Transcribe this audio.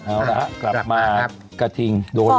เอาละกลับมากระทิงโดน